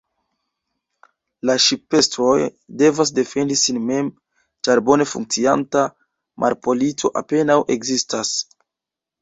La ŝipestroj devas defendi sin mem, ĉar bone funkcianta marpolico apenaŭ ekzistas.